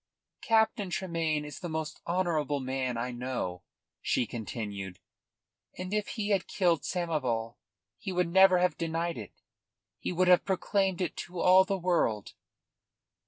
"Captain Tremayne is the most honourable man I know," she continued, "and if he had killed Samoval he would never have denied it; he would have proclaimed it to all the world."